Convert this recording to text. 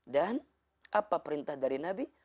dan apa perintah dari nabi